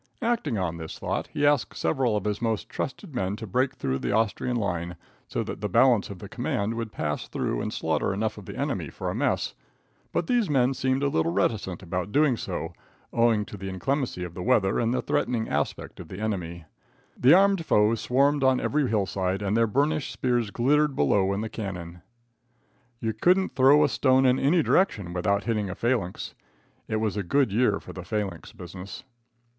Acting on this thought, he asked several of his most trusted men to break through the Austrian line, so that the balance of the command could pass through and slaughter enough of the enemy for a mess, but these men seemed a little reticent about doing so, owing to the inclemency of the weather and the threatening aspect of the enemy. The armed foe swarmed on every hillside and their burnished spears glittered below in the canon. You couldn't throw a stone in any direction without hitting a phalanx. It was a good year for the phalanx business.